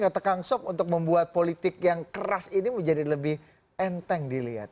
gak tekang sok untuk membuat politik yang keras ini menjadi lebih enteng dilihat